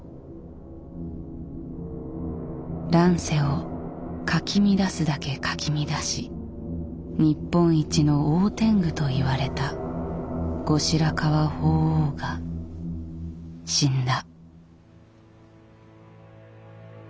乱世をかき乱すだけかき乱し日本一の大天狗といわれた後白河法皇が死んだ。